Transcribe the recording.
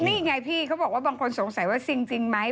นี่ไงพี่เขาบอกว่าบางคนสงสัยว่าจริงไหม